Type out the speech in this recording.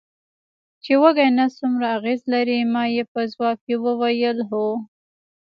چې وږی نس څومره اغېز لري، ما یې په ځواب کې وویل: هو.